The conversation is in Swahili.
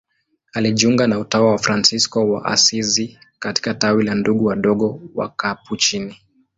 Alijiunga na utawa wa Fransisko wa Asizi katika tawi la Ndugu Wadogo Wakapuchini.